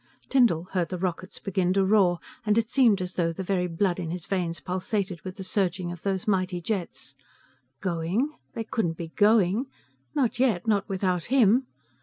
Tyndall heard the rockets begin to roar, and it seemed as though the very blood in his veins pulsated with the surging of those mighty jets. Going? They couldn't be going. Not yet. Not without him!